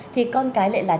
thì con cái lại là trái tim